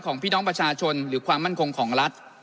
พี่น้องประชาชนหรือความมั่นคงของรัฐ